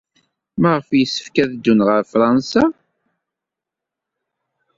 Maɣef ay yessefk ad ddun ɣer Fṛansa?